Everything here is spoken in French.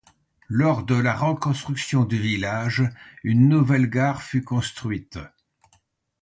Lors de la reconstruction du village, une nouvelle gare fut construite.